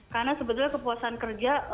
karena sebetulnya kepuasan kerja